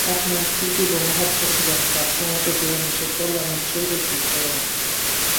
আপনার পিতৃব্য মহাত্মা ছিলেন, তাঁর সমগ্র জীবন দেশের কল্যাণে উৎসর্গীকৃত।